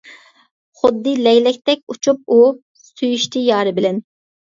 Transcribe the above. خۇددى لەگلەكتەك ئۇچۇپ ئۇ، سۆيۈشتى يارى بىلەن.